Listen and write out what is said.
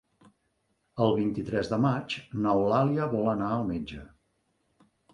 El vint-i-tres de maig n'Eulàlia vol anar al metge.